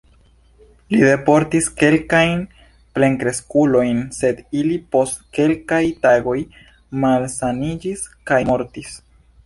Li deportis kelkajn plenkreskulojn, sed ili post kelkaj tagoj malsaniĝis kaj mortis.